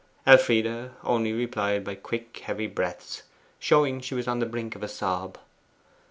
Elfride only replied by quick heavy breaths, showing she was on the brink of a sob.